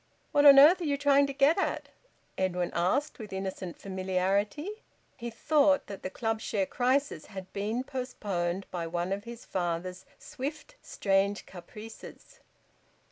"What on earth are you trying to get at?" Edwin asked, with innocent familiarity. He thought that the Club share crisis had been postponed by one of his father's swift strange caprices.